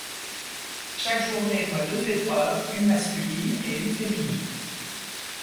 Chaque journée voit deux épreuves, une masculine et une féminine.